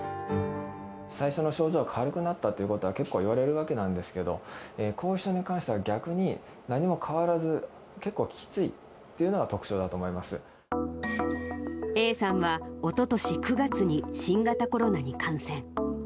最初の症状が軽くなったということは、結構いわれるわけなんですけど、後遺症に関しては逆に何も変わらず、結構きついっていうのが特徴Ａさんは、おととし９月に新型コロナに感染。